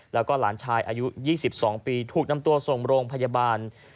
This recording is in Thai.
แล้วก็หลานชายอายุ๒๒ปีถูกนำตัวส่งโรงพยาบาล